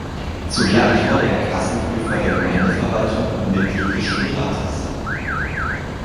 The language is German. Zugleich wurde er Kassenprüfer der Gemeindeverwaltung und Mitglied des Schulrates.